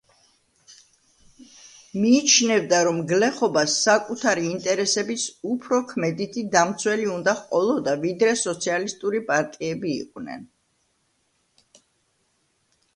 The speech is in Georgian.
მიიჩნევდა, რომ გლეხობას საკუთარი ინტერესების უფრო ქმედითი დამცველი უნდა ჰყოლოდა, ვიდრე სოციალისტური პარტიები იყვნენ.